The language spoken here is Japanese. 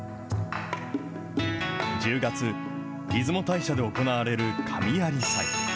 １０月、出雲大社で行われる神在祭。